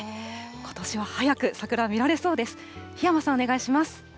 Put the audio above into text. ことしは早く桜を見られそうです。